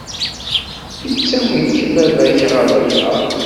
Yettawi-k baba-k ɣer lebḥer?